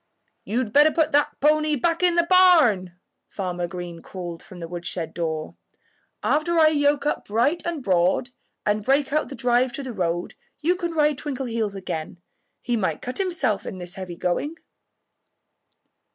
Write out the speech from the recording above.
"You'd better put that pony back in the barn," Farmer Green called from the woodshed door. "After I yoke up Bright and Broad and break out the drive to the road you can ride Twinkleheels again. He might cut himself in this heavy going."